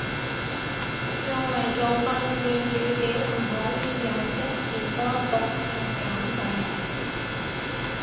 用嚟做訓練語料唔可以有一字多讀同簡寫